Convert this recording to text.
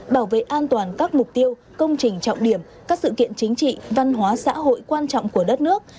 bảo vệ an toàn các mục tiêu công trình trọng điểm các sự kiện chính trị văn hóa xã hội quan trọng của đất nước